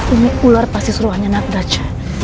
ini ular pasti suruhannya naddach